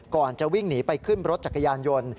ก่อนจะวิ่งหนีไปขึ้นรถจักรยานยนต์